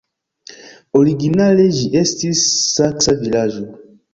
Originale ĝi estis saksa vilaĝo.